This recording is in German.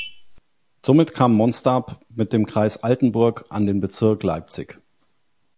Somit kam Monstab mit dem Kreis Altenburg an den Bezirk Leipzig.